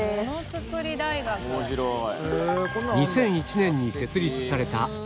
面白い。